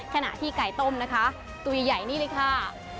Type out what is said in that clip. ขณะที่ไก่ต้มนะคะตัวใหญ่นี่เลยค่ะ